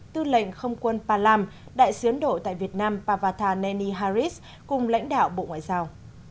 tư lệnh không quân palam đại sứ ấn độ tại việt nam pavatan neni harris cùng lãnh đạo bộ ngoại giao